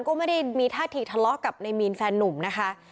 ก็ไม่ได้มีท่าทีทะเลาะกับในมีนแฟนนุ่มนะคะ